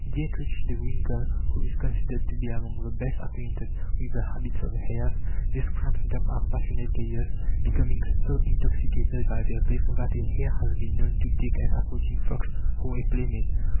Dietrich de Winckell, who is considered to be among the best acquainted with the habits of hares, describes them as passionate players, becoming so intoxicated by their play that a hare has been known to take an approaching fox for a playmate.